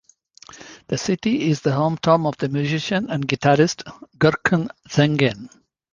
This city is the hometown of the musician and guitarist Gurkan Zengin.